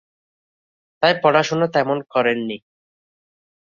তাই পড়াশোনা তেমন করেন নি।